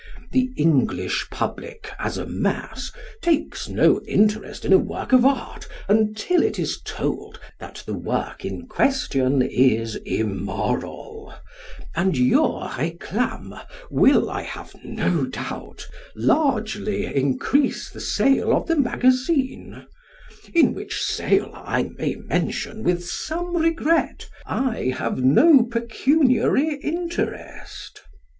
The English public, as a mass, takes no interest in a work of art until it is told that the work in question is immoral, and your réclame will, I have no doubt, largely increase the sale of the magazine; in which sale, I may mention, with some regret, I have no pecuniary interest.